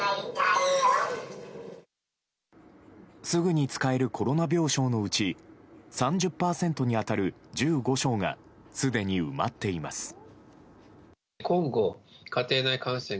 すぐに使えるコロナ病床のうち３０％に当たる１５床がすでに埋まっています。